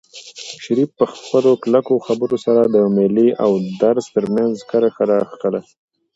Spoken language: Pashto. شریف په خپلو کلکو خبرو سره د مېلې او درس ترمنځ کرښه راښکله.